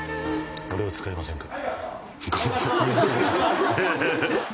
俺を使いませんか？